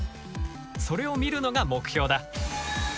それを見るのが目標だ。